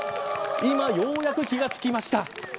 今、ようやく気が付きました。